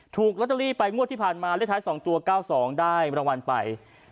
ถูกลอตเตอรี่ไปงวดที่ผ่านมาเลขท้าย๒ตัว๙๒ได้รางวัลไป